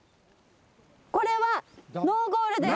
これはノーゴールです。